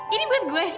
ini buat gue